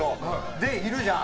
で、いるじゃん。